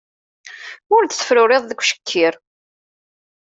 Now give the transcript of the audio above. Ur d-tefruriḍ deg ucekkiṛ